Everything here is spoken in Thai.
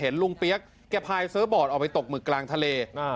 ลุงเปี๊ยกแกพายเซอร์บอร์ดออกไปตกหมึกกลางทะเล